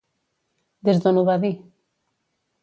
Des d'on ho va dir?